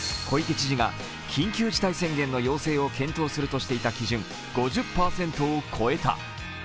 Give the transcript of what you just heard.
小池知事が緊急事態宣言の要請を検討するとしていた基準、５０％を超えた。